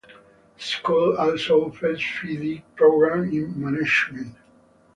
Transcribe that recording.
The school also offers PhD program in management.